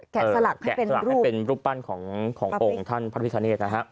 แกะสลักให้เป็นรูปปั้นขององค์ท่านพระพิคเนธนะฮะ